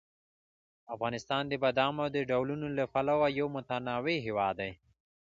افغانستان د بادامو د ډولونو له پلوه یو متنوع هېواد دی.